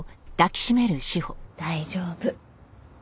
大丈夫。